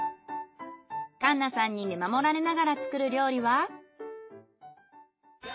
かんなさんに見守られながら作る料理は。